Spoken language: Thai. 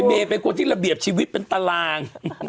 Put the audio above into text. เมย์เป็นคนที่ระเบียบชีวิตเป็นตาราง